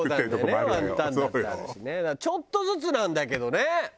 ちょっとずつなんだけどね。